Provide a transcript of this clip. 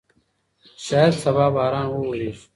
شاید سبا باران وورېږي.